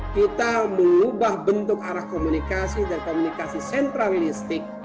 kita mengubah bentuk arah komunikasi dan komunikasi sentralistik